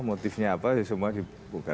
motifnya apa semua dibuka